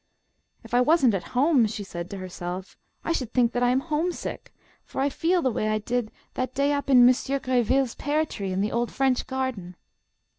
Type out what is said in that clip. "If I wasn't at home," she said to herself, "I should think that I am homesick, for I feel the way I did that day up in Monsieur Gréville's pear tree in the old French garden.